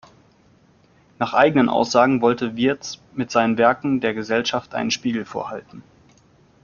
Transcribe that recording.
Nach eigenen Aussagen wollte Wiertz mit seinen Werken der Gesellschaft einen Spiegel vorhalten.